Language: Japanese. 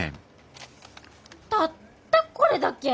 たったこれだけ！？